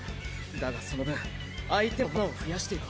だがその分相手もマナを増やしているな。